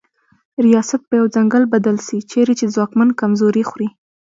ریاست په یو ځنګل بدل سي چیري چي ځواکمن کمزوري خوري